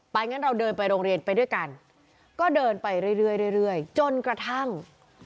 งั้นเราเดินไปโรงเรียนไปด้วยกันก็เดินไปเรื่อยจนกระทั่ง